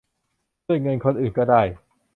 ด้วยเงินคนอื่นก็ได้